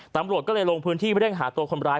ตำรวจก็เลยลงพื้นที่เร่งหาตัวคนร้าย